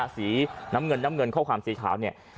สีน้ำเงินน้ำเงินข้อความสีขาวเนี่ย